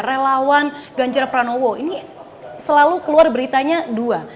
relawan ganjar pranowo ini selalu keluar beritanya dua